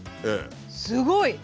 すごい！